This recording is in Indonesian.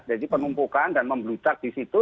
jadi penumpukan dan memblucak di situ